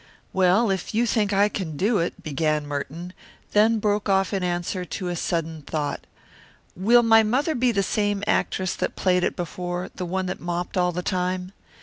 "Well, if you think I can do it," began Merton, then broke off in answer to a sudden thought. "Will my mother be the same actress that played it before, the one that mopped all the time?"